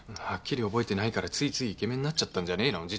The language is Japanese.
はっきり覚えてないからついついイケメンになっちゃったんじゃねえの？